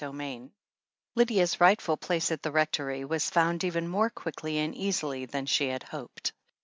XVIII Lydia's rightful place at the Rectory was fotind even more quickly and easily than she had hoped.